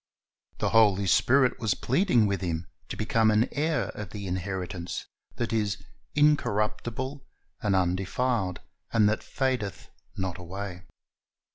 The Holy Spirit was pleading with him to become an heir of the inheritance that is "incorruptible, and undefiled, and that fadeth not away."